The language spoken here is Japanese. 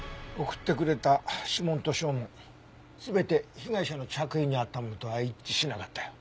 送ってくれた指紋と掌紋全て被害者の着衣にあったものとは一致しなかったよ。